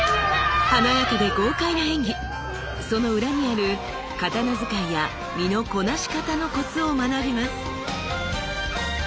華やかで豪快な演技その裏にある刀使いや身のこなし方のコツを学びます！